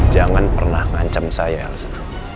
jangan pernah ngancam saya elsa